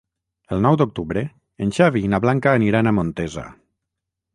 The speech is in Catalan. El nou d'octubre en Xavi i na Blanca aniran a Montesa.